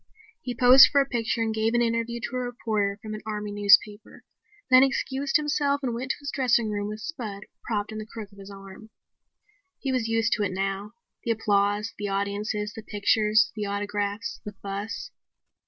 He posed for a picture and gave an interview to a reporter from an army newspaper, then excused himself and went to his dressing room with Spud propped in the crook of his arm. He was used to it now; the applause, the audiences, the pictures, the autographs, the fuss.